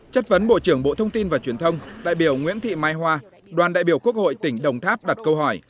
chất vấn bộ trưởng bộ thông tin và truyền thông đại biểu nguyễn thị mai hoa đoàn đại biểu quốc hội tỉnh đồng tháp đặt câu hỏi